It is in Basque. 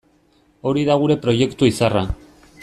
Hori da gure proiektu izarra.